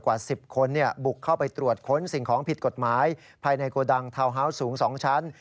กว่า๑๐คนบุกเข้าไปตรวจค้นสิ่งของผิดกฎหมายภายในโกดังทาวน์ฮาวส์สูง๒ชั้น